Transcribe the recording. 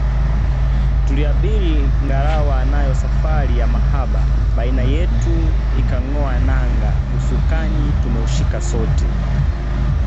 Tuliabiri ngalawa nayo safari ya mahaba baina yetu ikang’oa nanga usukani tumeushika sote